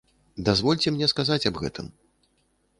Дазвольце мне сказаць аб гэтым.